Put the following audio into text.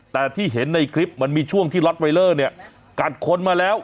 แต่ที่เห็นในคลิปมันมีช่วงที่ล็อตไวเลอร์เนี่ยกัดคนมาแล้ว